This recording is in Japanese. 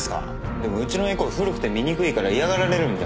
でもうちのエコー古くて見にくいから嫌がられるんじゃ